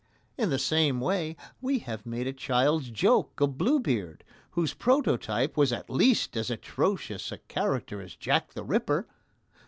In the same way we have made a child's joke of Bluebeard, whose prototype was at least as atrocious a character as Jack the Ripper.